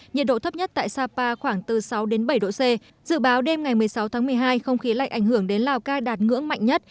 nhiệt độ thấp nhất tại sapa khoảng từ sáu đến bảy độ c dự báo đêm ngày một mươi sáu tháng một mươi hai không khí lạnh ảnh hưởng đến lào cai đạt ngưỡng mạnh nhất